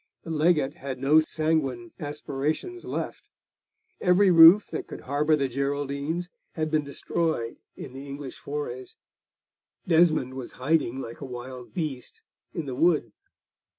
The Legate had no sanguine aspirations left; every roof that could harbour the Geraldines had been destroyed in the English forays; Desmond was hiding, like a wild beast, in the Wood.